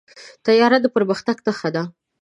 طیاره د پرمختګ نښه ده.